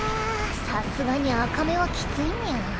さすがに赤目はきついニャ。